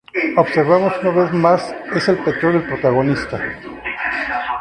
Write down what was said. Observamos que una vez más es el petróleo el protagonista.